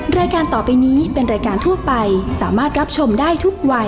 รายการต่อไปนี้เป็นรายการทั่วไปสามารถรับชมได้ทุกวัย